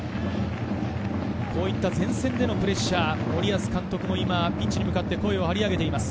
前線でのプレッシャー、森保監督もピッチに向かって声を張り上げています。